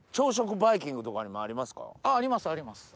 ありますあります。